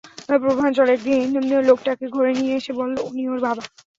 প্রভাঞ্জন একদিন লোকটাকে ঘরে নিয়ে এসে বলল উনি ওর বাবা।